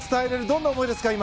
どんな思いですか？